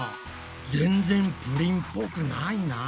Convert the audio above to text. ぜんぜんプリンっぽくないな。